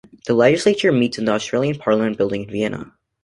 The legislature meets in the Austrian Parliament Building in Vienna.